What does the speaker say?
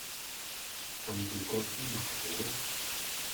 重杰過芝麻糊